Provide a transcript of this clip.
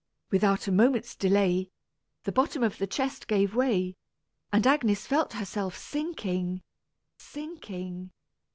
Without a moment's delay, the bottom of the chest gave way, and Agnes felt herself sinking, sinking.